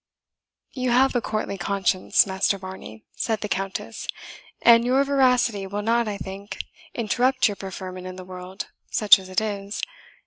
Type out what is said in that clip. "You have a courtly conscience, Master Varney," said the Countess, "and your veracity will not, I think, interrupt your preferment in the world, such as it is.